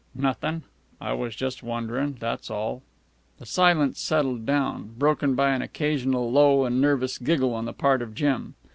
"Nothin'. I was just wonderin', that was all." The silence settled down, broken by an occasional low and nervous giggle on the part of Jim.